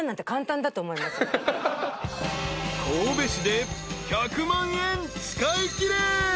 ［神戸市で１００万円使いきれ］